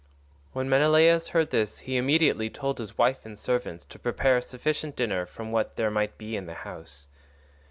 When Menelaus heard this he immediately told his wife and servants to prepare a sufficient dinner from what there might be in the house.